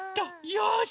よし！